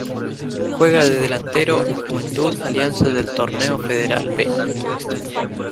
Juega de delantero en Juventud Alianza del Torneo Federal B